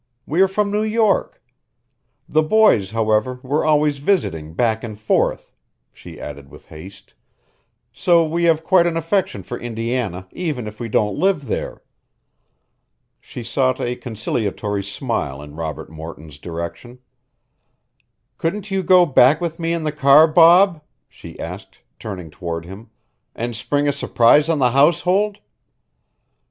We are from New York. The boys, however, were always visiting back and forth," she added with haste, "so we have quite an affection for Indiana even if we don't live there." She shot a conciliatory smile in Robert Morton's direction. "Couldn't you go back with me in the car, Bob," she asked turning toward him, "and spring a surprise on the household?